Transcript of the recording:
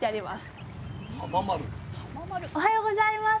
おはようございます。